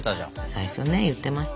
最初ね言ってましたね。